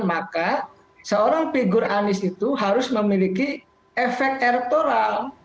maka seorang figur anies itu harus memiliki efek elektoral